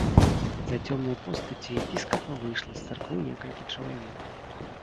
За цёмнай постаццю епіскапа выйшла з царквы некалькі чалавек.